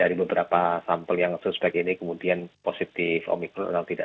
dari beberapa sampel yang suspek ini kemudian positif omikron atau tidak